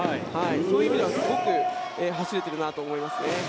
そういう意味ではすごく走れてるなと思います。